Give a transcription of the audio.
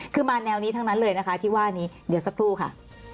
คือมาแนวนี้ทั้งนั้นเลยนะคะที่ว่านี้เดี๋ยวสักครู่ค่ะ